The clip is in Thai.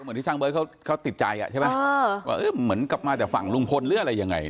เหมือนที่ช่างเบิร์ดเขาติดใจว่าเหมือนกลับมาจากฝั่งลุงพลหรืออะไรยังไง